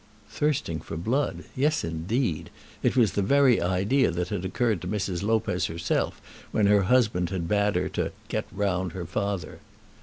Thirsting for blood! Yes, indeed. It was the very idea that had occurred to Mrs. Lopez herself when her husband had bade her to "get round her father."